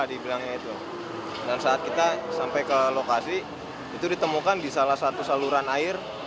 dan saat kita sampai ke lokasi itu ditemukan di salah satu saluran air